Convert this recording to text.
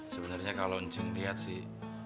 sebenernya kalau ncing lihat sih